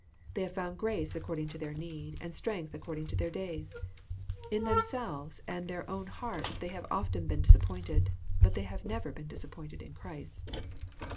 They have found grace according to their need, and strength according to their days. In themselves and their own hearts they have often been dis appointed; but they have never been disappointed in Christ.